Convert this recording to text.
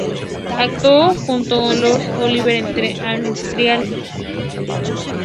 Actuó junto con Laurence Olivier en "Term of Trial".